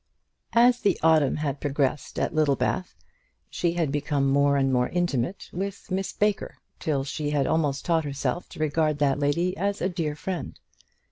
As the autumn had progressed at Littlebath, she had become more and more intimate with Miss Baker, till she had almost taught herself to regard that lady as a dear friend.